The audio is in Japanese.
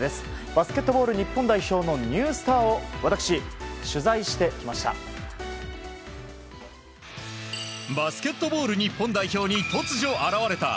バスケットボール日本代表のニュースターを私、取材してきました。